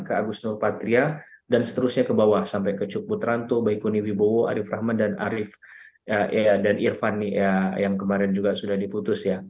ke agus nur patria dan seterusnya ke bawah sampai ke cukbut ranto baikuni wibowo arief rahman dan irfan yang kemarin juga sudah diputus